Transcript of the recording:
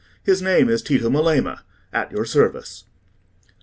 His name is Tito Melema, at your service."